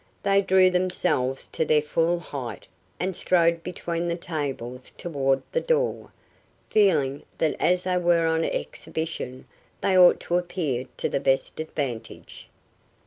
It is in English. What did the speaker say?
They drew themselves to their full height and strode between the tables toward the door, feeling that as they were on exhibition they ought to appear to the best advantage.